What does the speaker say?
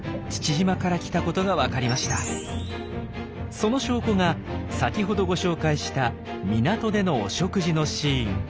その証拠が先ほどご紹介した港でのお食事のシーン。